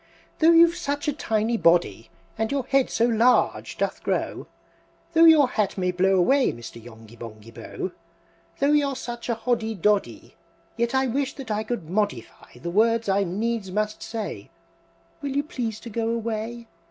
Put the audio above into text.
"Though you've such a tiny body, And your head so large doth grow, Though your hat may blow away, Mr. Yonghy Bonghy Bò! Though you're such a Hoddy Doddy, Yet I wish that I could modi fy the words I needs must say! Will you please to go away?